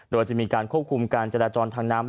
โดยจะมีการควบคุมการจราจรทางน้ำ